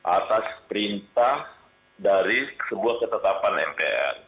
atas perintah dari sebuah ketetapan mpr